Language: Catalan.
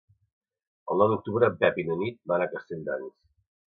El nou d'octubre en Pep i na Nit van a Castelldans.